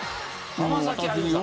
浜崎あゆみさん。